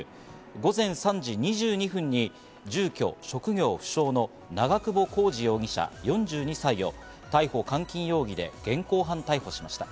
午前３時２２分に住居、職業不詳の長久保浩二容疑者、４２歳を逮捕監禁容疑で現行犯逮捕しました。